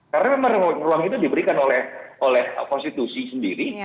karena memang ruang itu diberikan oleh konstitusi sendiri